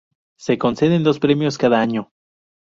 Se conceden dos premios cada año.